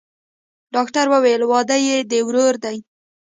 ډاکتر وويل واده يې د ورور دىه.